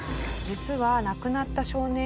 実は亡くなった少年は。